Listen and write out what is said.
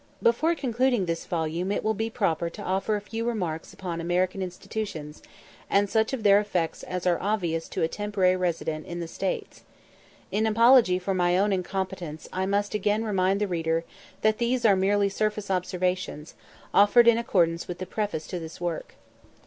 Before concluding this volume it will be proper to offer a few remarks upon American institutions, and such of their effects as are obvious to a temporary resident in the States. In apology for my own incompetence, I must again remind the reader that these are merely surface observations, offered in accordance with the preface to this work.